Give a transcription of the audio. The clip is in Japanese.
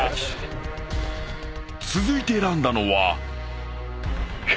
［続いて選んだのは］